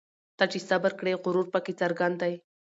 ته چي صبر کړې غرور پکښي څرګند دی